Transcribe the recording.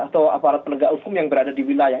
atau aparat penegak hukum yang berada di wilayah